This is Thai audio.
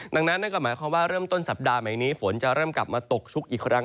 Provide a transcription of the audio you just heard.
ดังนั้นเริ่มต้นสัปดาห์ใหม่นี้ฝนจะเริ่มกลับมาตกชุกอีกครั้ง